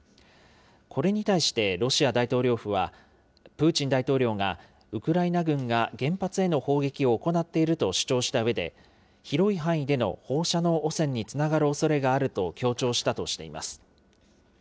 これに対してロシア大統領府は、プーチン大統領がウクライナ軍が原発への砲撃を行っていると主張したうえで、広い範囲での放射能汚染につながるおそれがあると強調したとしています。